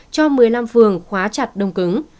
cho một mươi năm phường khóa chặt đông cứng